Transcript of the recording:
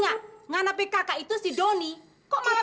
jangan lukung keluarga mama